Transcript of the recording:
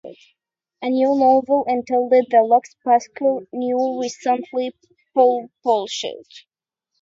A new novel, entitled "The Lockpicker", was recently published.